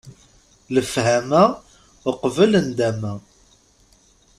Lefhama uqbel ndama!